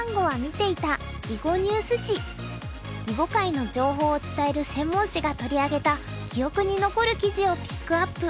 囲碁界の情報を伝える専門紙が取り上げた記憶に残る記事をピックアップ。